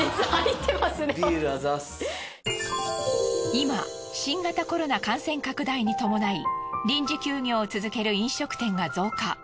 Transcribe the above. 今新型コロナ感染拡大に伴い臨時休業を続ける飲食店が増加。